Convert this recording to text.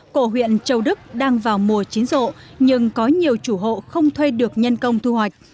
cổ huyện châu đức đang vào mùa chín rộ nhưng có nhiều chủ hộ không thuê được nhân công thu hoạch